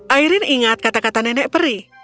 airin ingat kata kata nenek peri